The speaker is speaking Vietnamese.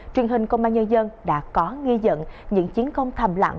truyền hình công an nhân dân đã có nghi dận những chiến công thầm lặng